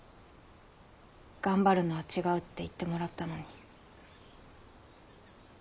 「頑張るのは違う」って言ってもらったのに。